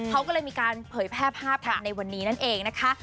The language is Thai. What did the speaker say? เขาก็เลยมีการเผยแพร่ภาพกันในวันนี้นั่นเองนะคะ